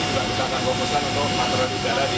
nanti juga bisa berfokuskan untuk antara juga lagi